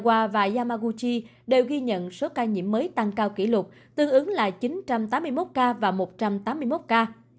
wa và yamaguchi đều ghi nhận số ca nhiễm mới tăng cao kỷ lục tương ứng là chín trăm tám mươi một ca và một trăm tám mươi một ca